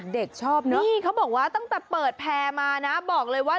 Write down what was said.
เด็กชอบนะนี่เขาบอกว่าตั้งแต่เปิดแพร่มานะบอกเลยว่า